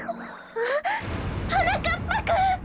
あっはなかっぱくん！